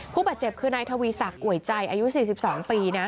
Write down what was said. ผู้บาดเจ็บคือนายทวีศักดิ์อ่วยใจอายุ๔๒ปีนะ